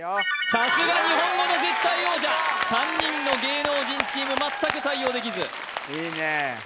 さすが日本語の絶対王者３人の芸能人チーム全く対応できずいいね